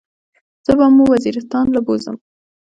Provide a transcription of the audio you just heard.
زه به مو وزيرستان له بوزم.